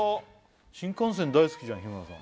新幹線大好きじゃん日村さん